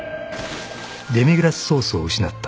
［デミグラスソースを失った］